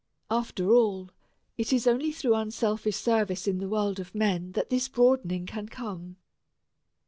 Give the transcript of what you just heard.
After all, it is only through unselfish service in the world of men that this broadening can come.